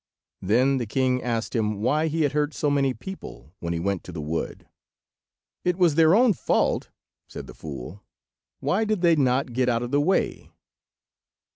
Then the king asked him why he had hurt so many people when he went to the wood. "It was their own fault," said the fool; "why did they not get out of the way?"